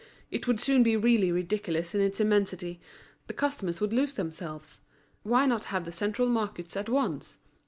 It would soon be really ridiculous in its immensity; the customers would lose themselves. Why not have the central markets at once?